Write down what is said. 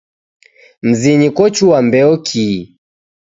Mzinyi kochua mbeo kii